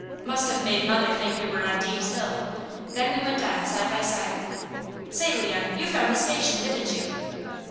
Must have made mother think we were on Deams' hill. Then we went on side by side. "Say Leon, you found the Station, didn't you?"